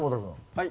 はい。